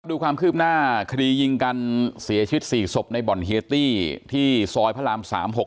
ดูความคืบหน้าคดียิงกันเสียชีวิต๔ศพในบ่อนเฮียตี้ที่ซอยพระราม๓๖